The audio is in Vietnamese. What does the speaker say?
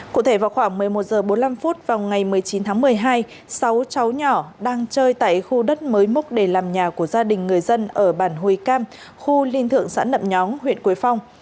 cụ thể vào khoảng một mươi một h bốn mươi năm vào ngày một mươi chín tháng một mươi hai sáu cháu nhỏ đang chơi tại khu đất mới múc để làm nhà của gia đình người dân ở bản hồi cam khu liên thượng xã nậm nhóng huyện quế phong